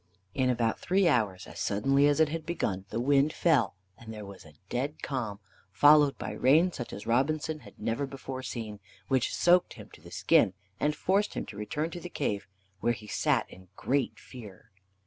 In about three hours, as suddenly as it had begun, the wind fell, and there was a dead calm, followed by rain such as Robinson had never before seen, which soaked him to the skin, and forced him to return to the cave, where he sat in great fear.